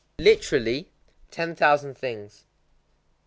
Literally, "ten thousand things."